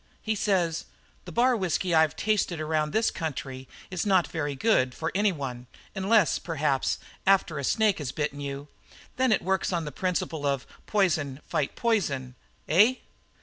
"He says: 'The bar whisky I've tasted around this country is not very good for any one, unless, perhaps, after a snake has bitten you. Then it works on the principle of poison fight poison, eh?'